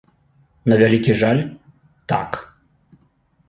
На вялікі жаль, так.